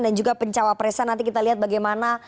dan juga pencawapresan nanti kita lihat bagaimana